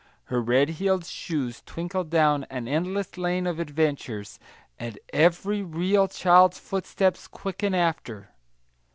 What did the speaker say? Her red heeled shoes twinkle down an endless lane of adventures, and every real child's footsteps quicken after.